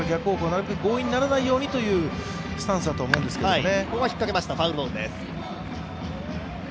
なるべく強引にならないようにというスタンスだと思うんですけどね。